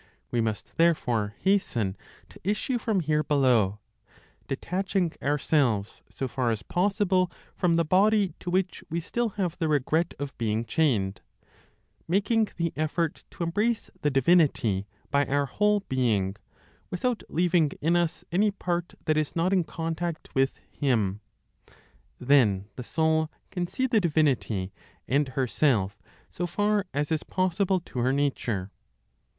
We must therefore hasten to issue from here below, detaching ourselves so far as possible from the body to which we still have the regret of being chained, making the effort to embrace the Divinity by our whole being, without leaving in us any part that is not in contact with Him. Then the soul can see the Divinity and herself, so far as is possible to her nature.